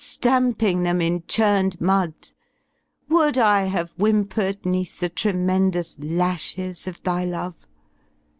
Stamping them in churned mud: would I have whimpered * Neath the tremendous lashes of thy love?